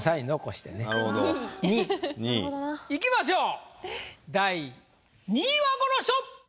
いきましょう第２位はこの人！